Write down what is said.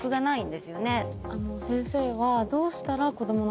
先生は。